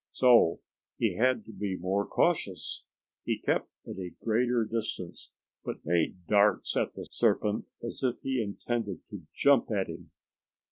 So he had to be more cautious. He kept at a greater distance, but made darts at the serpent as if he intended to jump at him.